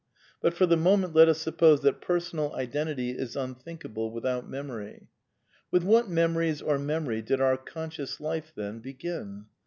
Eut for the moment let us suppose that personal identity is unthinkable without memory. With what memories or memory did our conscious life, then, begin